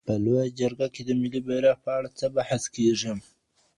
په لویه جرګه کي د ملي بیرغ په اړه څه بحث کیږي؟